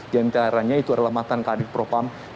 di antaranya itu adalah matan kadir propam